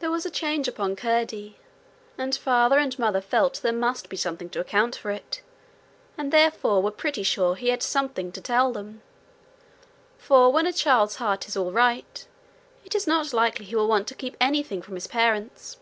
There was a change upon Curdie, and father and mother felt there must be something to account for it, and therefore were pretty sure he had something to tell them. For when a child's heart is all right, it is not likely he will want to keep anything from his parents.